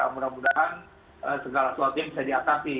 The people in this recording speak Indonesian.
mudah mudahan segala sesuatu yang bisa diatasi